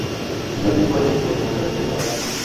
কিন্তু দুই মিনিট পরই গোলটি শোধ করেন ফেনী সকারের আজমল হোসেন।